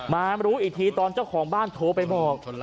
มารู้อีกทีตอนเจ้าของบ้านโทรไปบอก